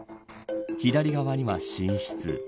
左側には寝室。